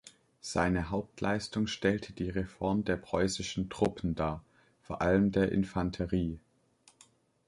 Seine Hauptleistung stellte die Reform der preußischen Truppen dar, vor allem der Infanterie.